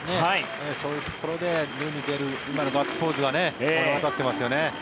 そういうところで塁に出る今のガッツポーズが物語ってますよね。